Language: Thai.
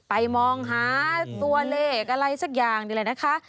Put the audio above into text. มองหาตัวเลขอะไรสักอย่างนี่แหละนะคะ